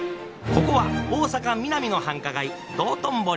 ここは大阪ミナミの繁華街道頓堀。